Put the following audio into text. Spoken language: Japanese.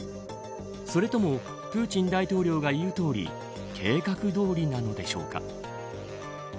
それともプーチン大統領がいうとおり計画どおりなのでしょうか。